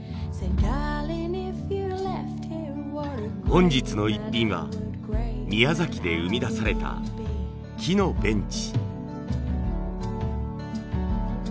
本日のイッピンは宮崎で生み出された木のベンチ。